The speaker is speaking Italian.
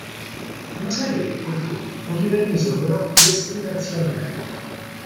Una serie di infortuni non gli permisero però di esprimersi al meglio.